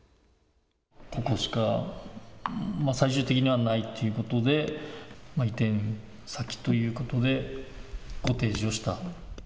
ここしか最終的にはないということで移転先ということでご提示をした。